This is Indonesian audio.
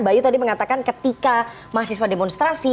mbak yu tadi mengatakan ketika mahasiswa demonstrasi